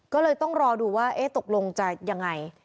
ก็เลยต้องรอดูว่าตกลงจะยังไง